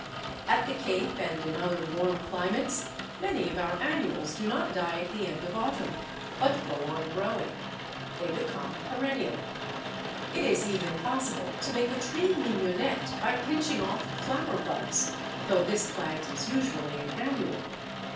At the Cape and in other warm climates many of our annuals do not die at the end of autumn, but go on growing. They become perennial. It is even possible to make a Tree Mignonette by pinching off the flower buds, though this plant is usually an annual.